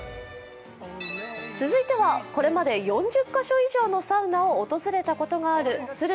続いては、これまで４０か所以上のサウナを訪れたことがある都留